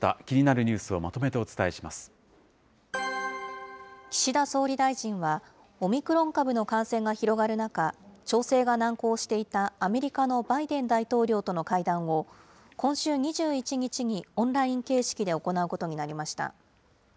気になるニュースをまとめてお伝岸田総理大臣は、オミクロン株の感染が広がる中、調整が難航していたアメリカのバイデン大統領との会談を、今週２１日にオンライン形式で行うことになりました。